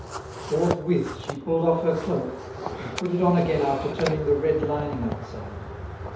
Forthwith she pulled off her cloak, and put it on again after turning the red lining outside.